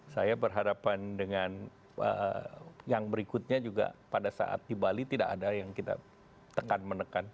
saya berhadapan dengan yang berikutnya juga pada saat di bali tidak ada yang kita tekan menekan